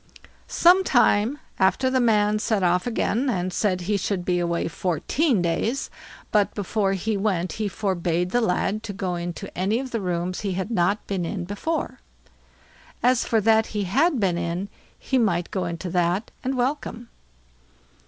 Some time after the man set off again, and said he should be away fourteen days; but before he went he forbade the lad to go into any of the rooms he had not been in before; as for that he had been in, he might go into that, and welcome.